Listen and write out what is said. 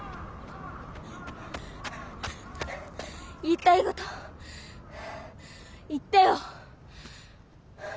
言いたいこと言ってよ！